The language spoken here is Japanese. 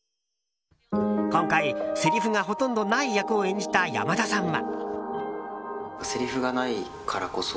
今回、せりふがほとんどない役を演じた山田さんは。